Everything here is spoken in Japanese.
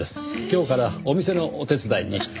今日からお店のお手伝いに。